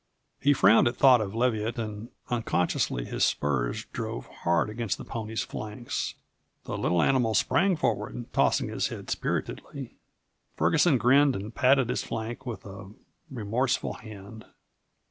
He frowned at thought of Leviatt and unconsciously his spurs drove hard against the pony's flanks. The little animal sprang forward, tossing his head spiritedly. Ferguson grinned and patted its flank with a remorseful hand.